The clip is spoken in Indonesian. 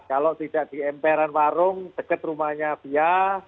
kalau tidak di emperan warung dekat rumahnya fia